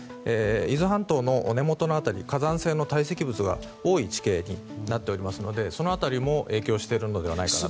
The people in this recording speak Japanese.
伊豆半島の根元の辺り火山性の堆積物が多い地形になっておりますのでその辺りも影響しているのではないかなと。